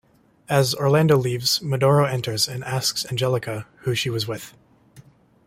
As Orlando leaves, Medoro enters and asks Angelica who she was with.